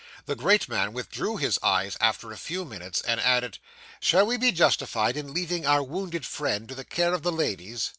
The great man withdrew his eyes after a few minutes, and added: 'Shall we be justified in leaving our wounded friend to the care of the ladies?